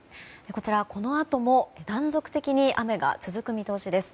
こちら、このあとも断続的に雨が続く見通しです。